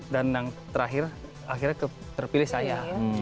dan yang terakhir akhirnya terpilih saya